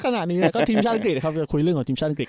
ขณะนี้แล้วก็ทีมชาติอังกฤษนะครับจะคุยเรื่องของทีมชาติอังกฤษ